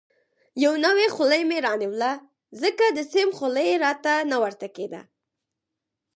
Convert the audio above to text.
یو نوی خولۍ مې رانیول، ځکه د سیم خولۍ راته نه ورته کېده.